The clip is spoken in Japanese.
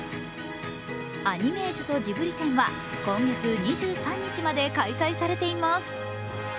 「アニメージュとジブリ展」は今月２３日まで開催されています。